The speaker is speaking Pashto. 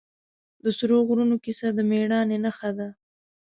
د سرو غرونو کیسه د مېړانې نښه ده.